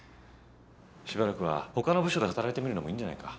しばらくは他の部署で働いてみるのもいいんじゃないか？